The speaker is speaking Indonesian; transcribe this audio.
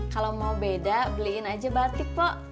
kalo mau beda beliin aja batik po